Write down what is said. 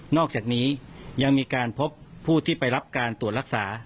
อกจากนี้ยังมีการพบผู้ที่ไปรับการตรวจรักษา